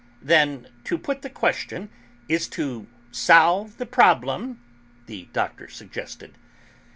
"Then to put the question is to solve the problem?" the Doctor suggested.